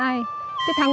à đúng không